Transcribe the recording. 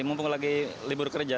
mumpung lagi libur kerja